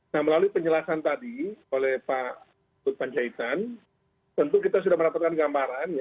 nah melalui penjelasan tadi oleh pak luhut panjaitan tentu kita sudah mendapatkan gambaran